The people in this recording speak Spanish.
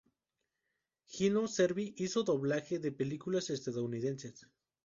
Gino Cervi hizo doblaje de películas estadounidenses.